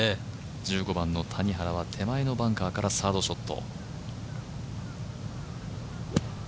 １５番の谷原は手前のバンカーからサードショット。